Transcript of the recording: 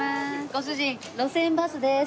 ご主人『路線バス』です。